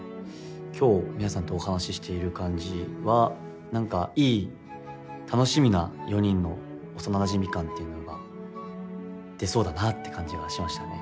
今日皆さんとお話ししている感じは何かいい楽しみな４人の幼なじみ感っていうのが出そうだなって感じがしましたね。